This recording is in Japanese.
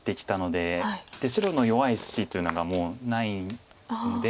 で白の弱い石というのがもうないので。